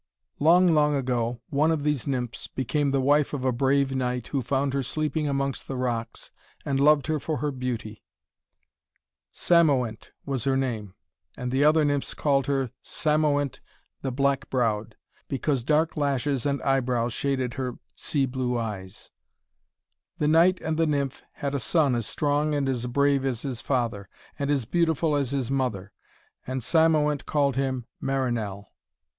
Long, long ago, one of these nymphs became the wife of a brave knight, who found her sleeping amongst the rocks and loved her for her beauty. Cymoënt was her name, and the other nymphs called her Cymoënt the Black Browed, because dark lashes and eyebrows shaded her sea blue eyes. The knight and the nymph had a son as strong and as brave as his father, and as beautiful as his mother, and Cymoënt called him Marinell.